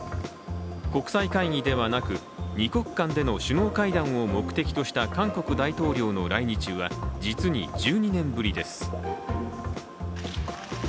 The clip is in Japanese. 国際会議ではなく、２国間での首脳会談を目的とした韓国大統領の来日は実に１２年ぶりです。